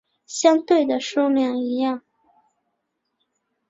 相对的数量一样。